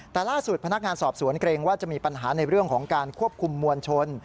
แต่ล่าสุดพนักงานสอบสวนเกรงว่าจะมีปัญหาในเรื่องของการควบคุมมวลชน